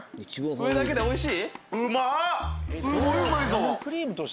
それだけでおいしい？